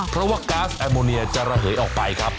เพราะว่าก๊าซแอร์โมเนียจะระเหยออกไปครับ